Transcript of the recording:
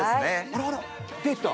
あらあら出た！